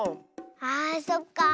あそっかあ。